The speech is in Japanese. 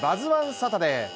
サタデー。